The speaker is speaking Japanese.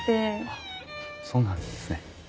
あそうなんですね。